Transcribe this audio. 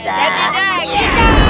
jangan kartuk ya